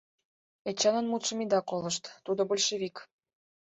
Эчанын мутшым ида колышт, тудо - большевик!